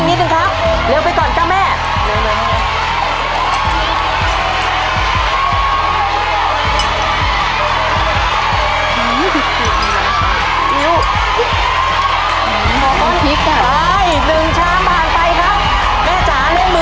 ๓นาทีนะครับ๑๐ชามนะฮะ๓นาที๑๐ชามแม่ต้องเร็วกว่านั้นอีกนิดหนึ่งครับเร็วไปก่อนก็แม่